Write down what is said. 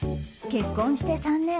結婚して３年。